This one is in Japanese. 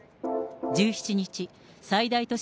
１７日、最大都市